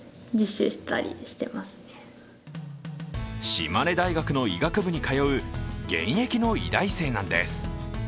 島根大学の医学部に通う現役の医大生なんです。